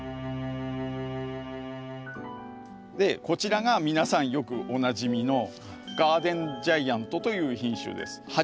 こちらが皆さんよくおなじみの‘ガーデン・ジャイアント’という品種です。